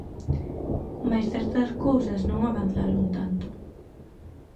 Mais certas cousas non avanzaron tanto.